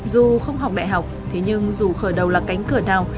dù không học đại học thế nhưng dù khởi đầu là cánh cửa nào